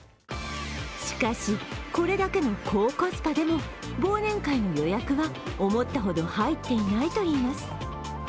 しかし、これだけの高コスパでも忘年会の予約は思ったほど入っていないといいます。